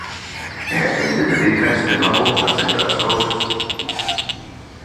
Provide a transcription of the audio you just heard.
E a quen lle dedica este novo As señoras cousas.